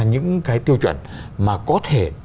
những cái tiêu chuẩn mà có thể